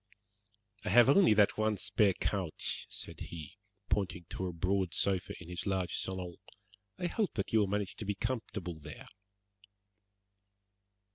"I have only that one spare couch," said he, pointing to a broad sofa in his large salon; "I hope that you will manage to be comfortable there."